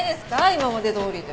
今までどおりで。